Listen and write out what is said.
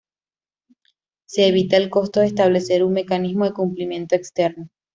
Se evita el costo de establecer un mecanismo de cumplimiento externo.